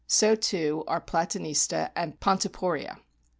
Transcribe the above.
So too are Platamsta and Pontoporia.